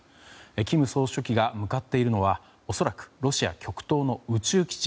金総書記が向かっているのは恐らくロシア極東の宇宙基地。